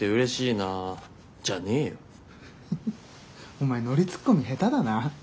フフお前ノリツッコミ下手だな。